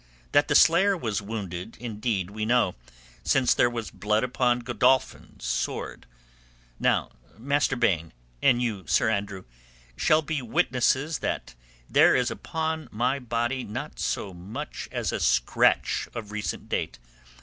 That the slayer was wounded indeed we know, since there was blood upon Godolphin's sword. Now, Master Baine, and you, Sir Andrew, shall be witnesses that there is upon my body not so much as a scratch of recent date.